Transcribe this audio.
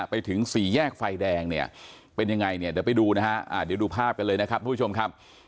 ไปถึงสี่แยกไฟแดงเนี่ยเป็นยังไงเนี่ยเดี๋ยวไปดูนะฮะเดี๋ยวดูภาพกันเลยนะครับทุกผู้ชมครับ